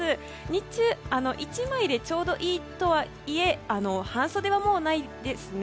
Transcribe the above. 日中１枚でちょうどいいとはいえ半袖はもうないですね。